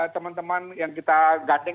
teman teman yang kita gandeng